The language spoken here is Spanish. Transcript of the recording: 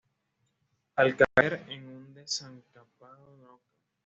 Al caer en un descampado, no causó víctimas en tierra.